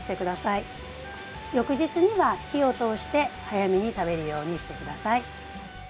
翌日には火を通して早めに食べるようにしてください。